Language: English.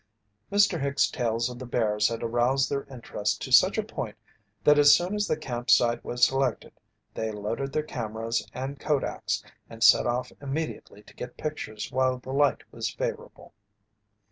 Mr. Hicks' tales of the bears had aroused their interest to such a point that as soon as the camp site was selected they loaded their cameras and kodaks and set off immediately to get pictures while the light was favourable.